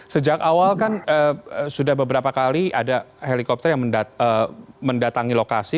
sejak awal kan sudah beberapa kali ada helikopter yang mendatangi lokasi